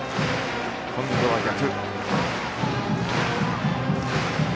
今度は逆。